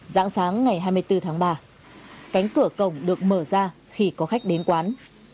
giãn sáng ngày hai mươi bốn tháng ba cánh cửa cổng được mở ra khi có khách đến quán